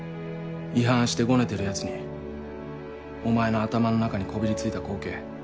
違反してゴネてるヤツにお前の頭の中にこびり付いた光景。